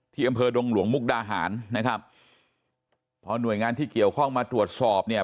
อำเภอดงหลวงมุกดาหารนะครับพอหน่วยงานที่เกี่ยวข้องมาตรวจสอบเนี่ย